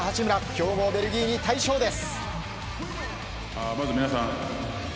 強豪ベルギーに快勝です。